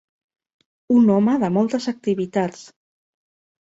Un home de moltes activitats.